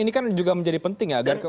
ini kan juga menjadi penting ya